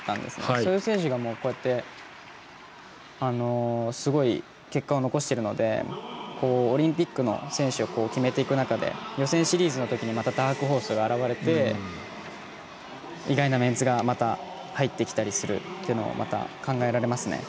そういう選手が、こうやってすごい結果を残してるのでオリンピックの選手を決めていく中で予選の中でまたダークホースが現れて意外なメンツがまた入ってきたりするというのも考えられますね。